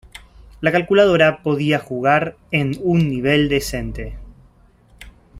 La calculadora podía jugar en un nivel decente.